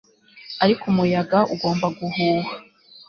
ariko umuyaga ugomba guhuha